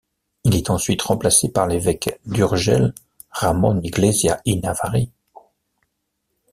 Il est ensuite remplacé par l'évêque d'Urgell Ramon Iglesias y Navarri.